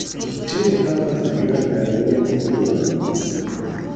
Timo havas grandajn okulojn.